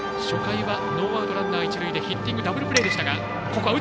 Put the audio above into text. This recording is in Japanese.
初回はノーアウト一塁でヒッティングでダブルプレーでした。